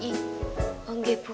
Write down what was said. oh enggak bu